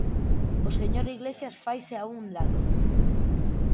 O señor Iglesias faise a un lado.